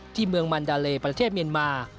ที่เมืองมันดาเลประเทศเมียนมา